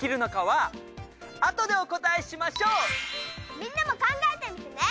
みんなも考えてみてね！